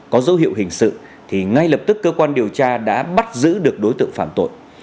có dấu hiệu hình sự thì ngay lập tức cơ quan điều tra đã bắt giữ được đối tượng phạm tội